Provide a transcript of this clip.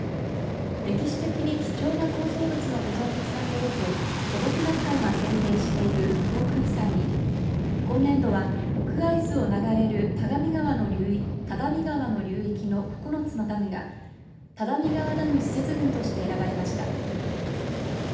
歴史的に貴重な構造物の保存につなげようと土木学会が選定している土木遺産に今年度は奥会津を流れる只見川の流域の９つのダムが只見川ダム施設群として選ばれました。